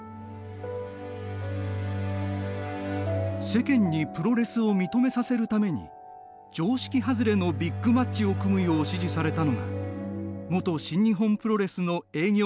世間にプロレスを認めさせるために常識外れのビッグマッチを組むよう指示されたのが元新日本プロレスの営業